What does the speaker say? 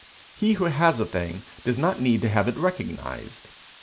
He who has a thing, does not need to have it recognized.